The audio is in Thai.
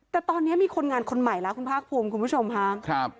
แต่ตอนนี้มีคนงานคนใหม่แล้วคุณภาคภูมิคุณผู้ชมค่ะ